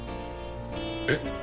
えっ？